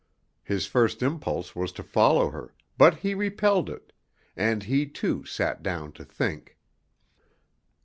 His first impulse was to follow her, but he repelled it, and he too sat down to think.